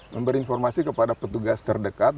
memberi informasi kepada petugas terdekat